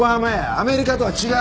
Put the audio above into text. アメリカとは違う！